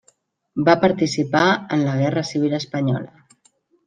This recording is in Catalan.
Va participar en la Guerra Civil Espanyola.